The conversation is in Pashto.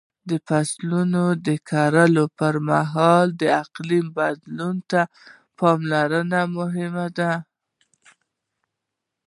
د فصلونو د کرلو پر مهال د اقلیم بدلون ته پاملرنه مهمه ده.